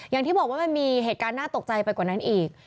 อย่างที่บอกว่ามันมีเหตุการณ์น่าตกใจไปกว่านั้นอีก